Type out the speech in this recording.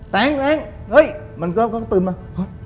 แตงแตงเฮ้ยมันก็ตื่นมา